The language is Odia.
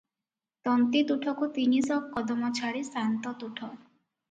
ତନ୍ତୀତୁଠକୁ ତିନିଶ କଦମ ଛାଡ଼ି ସାଆନ୍ତ ତୁଠ ।